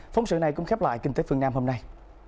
phóng sự này cũng khép lại kinh tế phương nam hôm nay